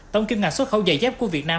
tổng kiếm ngày xuất khẩu dày dép của việt nam